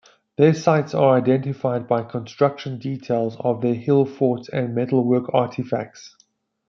Their sites are identified by construction details of their hill forts and metalwork artefacts.